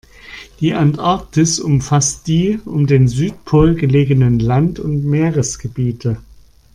Die Antarktis umfasst die um den Südpol gelegenen Land- und Meeresgebiete.